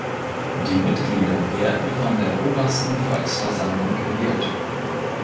Die Mitglieder werden von der Obersten Volksversammlung gewählt.